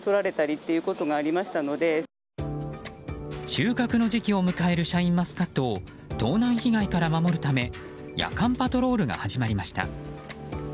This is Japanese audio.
収穫の時期を迎えるシャインマスカットを盗難被害から守るため夜間パトロールが始まりました。